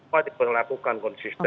ya diberlakukan konsisten